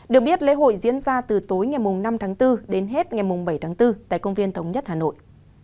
được biết lễ hội diễn ra từ tối ngày năm tháng bốn đến hết ngày bảy tháng bốn tại công viên thống nhất hà nội